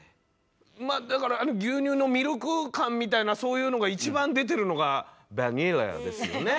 まあだから牛乳のミルク感みたいなそういうのが一番出てるのがヴァニラですよね。